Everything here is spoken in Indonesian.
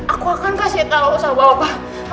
aku akan kasih tau sama bapak